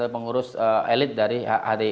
pengurus elit dari hdi